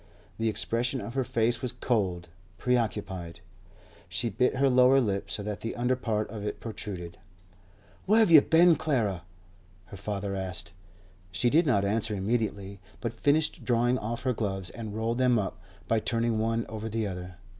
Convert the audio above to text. The expression of her face was cold, preoccupied; she bit her lower lip so that the under part of it protruded. 'Where have you been, Clara?' her father asked. She did not answer immediately, but finished drawing off her gloves and rolled them up by turning one over the other.